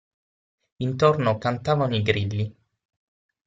Intorno cantavano i grilli.